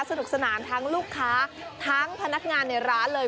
สนุกสนานทั้งลูกค้าทั้งพนักงานในร้านเลย